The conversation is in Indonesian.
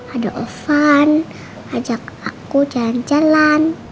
ada ovan ajak aku jalan jalan